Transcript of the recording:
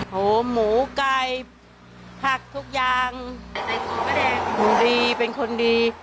โหหมูไก่ผักทุกอย่างแต่คุณป้าแดงเป็นคนดีเป็นคนดี